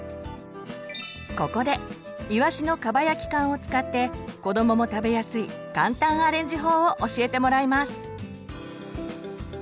ここでいわしのかば焼き缶を使って子どもも食べやすい簡単アレンジ法を教えてもらいます。